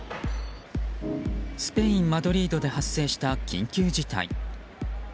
スペイン・マドリードで発生した緊急事態。